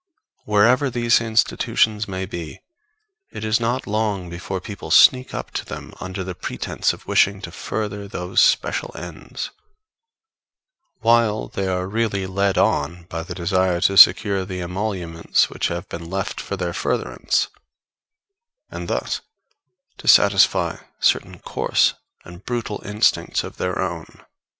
Wherever these institutions may be, it is not long before people sneak up to them under the pretence of wishing to further those special ends, while they are really led on by the desire to secure the emoluments which have been left for their furtherance, and thus to satisfy certain coarse and brutal instincts of their own.